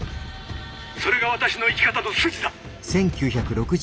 それが私の生き方の筋だ！」。